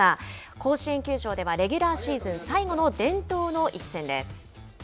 甲子園球場ではレギュラーシーズン最後の伝統の一戦です。